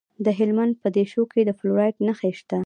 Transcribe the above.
د هلمند په دیشو کې د فلورایټ نښې شته.